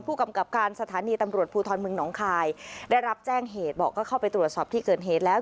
ผู้กำกับการสถานีตำรวจภูทรเมืองหนองคายได้รับแจ้งเหตุบอกก็เข้าไปตรวจสอบที่เกิดเหตุแล้ว